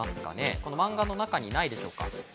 この漫画の中にないでしょうか？